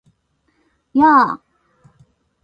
やー！！！